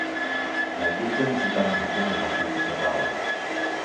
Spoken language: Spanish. La industria musical en Japón es bastante cerrada.